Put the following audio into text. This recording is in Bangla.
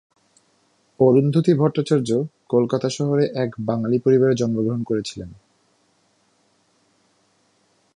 অরুন্ধতী ভট্টাচার্য কলকাতা শহরে এক বাঙালি পরিবারে জন্মগ্রহণ করেছিলেন।